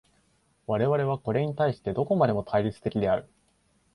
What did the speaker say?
我々はこれに対してどこまでも対立的である。